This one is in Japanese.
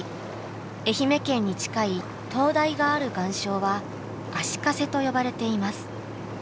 愛媛県に近い灯台がある岩礁はアシカ瀬と呼ばれています。